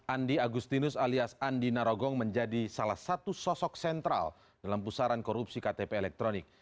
andi agustinus alias andi narogong menjadi salah satu sosok sentral dalam pusaran korupsi ktp elektronik